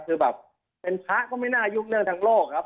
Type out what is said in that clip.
คือแบบเป็นพระก็ไม่น่ายุ่งเรื่องทางโลกครับ